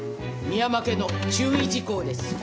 深山家の注意事項です。